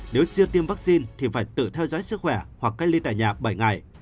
nếu siêu tiêm vaccine thì phải tự theo dõi sức khỏe hoặc cách ly tại nhà bảy ngày